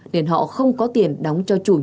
nên họ không có tiền đóng cho chủ